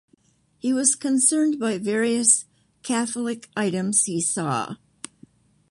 He was concerned by various Catholic items he saw.